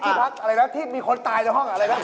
พักอะไรนะที่มีคนตายในห้องอะไรไหม